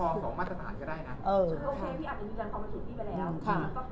ก็เลี่ยงไม่ได้ละกว่าคนจะต้องมองในมุมนึงกลุ่มนี้